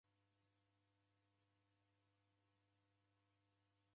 Kwa w'eni Mwatee ni hao?